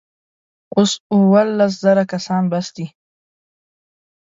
اوس اوولس زره کسان بس دي.